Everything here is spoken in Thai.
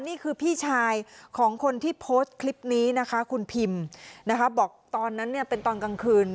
นี่คือพี่ชายของคนที่โพสต์คลิปนี้นะคะคุณพิมนะคะบอกตอนนั้นเนี่ยเป็นตอนกลางคืน